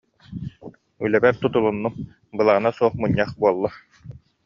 Үлэбэр тутулуннум, былаана суох мунньах буолла